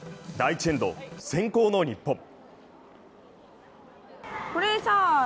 第１エンド、先攻の日本。